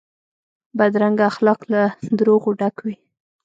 بدرنګه اخلاق له دروغو ډک وي